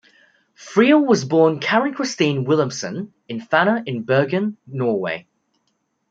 Friele was born Karen-Christine Wilhelmsen in Fana in Bergen, Norway.